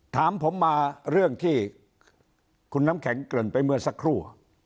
ถามผมมาเรื่องที่คุณน้ำแข็งเกริ่นไปเมื่อสักครู่